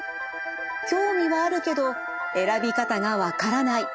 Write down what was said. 「興味はあるけど選び方が分からない。